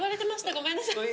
ごめんなさい。